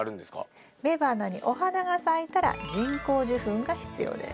雌花にお花が咲いたら人工授粉が必要です。